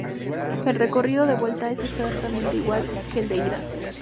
El recorrido de vuelta es exactamente igual que el ida.